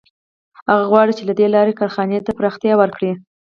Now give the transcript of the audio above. هغه غواړي چې له دې لارې کارخانې ته پراختیا ورکړي